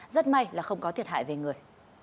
rất may là không có thiệt hại về người